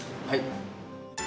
はい。